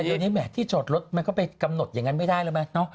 เดี๋ยวนี้แหมที่จอดรถมันก็ไปกำหนดอย่างนั้นไม่ได้แล้วไหมเนาะ